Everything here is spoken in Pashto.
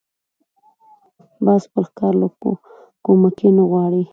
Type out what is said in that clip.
باز خپل ښکار له کومکي نه غواړي